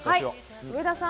上田さん